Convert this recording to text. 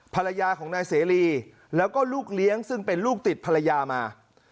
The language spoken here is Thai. ภรรยาของนายเสรีแล้วก็ลูกเลี้ยงซึ่งเป็นลูกติดภรรยามา